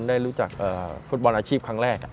ได้รู้จักฟุตบอลอาชีพครั้งแรก